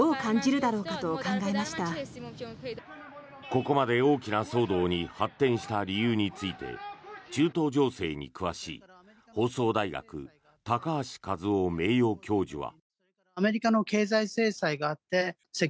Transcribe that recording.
ここまで大きな騒動に発展した理由について中東情勢に詳しい、放送大学高橋和夫名誉教授は。